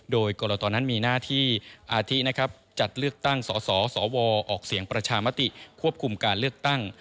โดยกรตนั้นมีหน้าที่อาทินะครับจัดเลือกตั้งสสวออกเสียงประชามติควบคุมการเลือกตั้ง